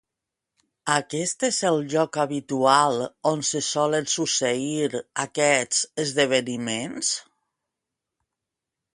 Aquest és el lloc habitual on se solen succeir aquests esdeveniments?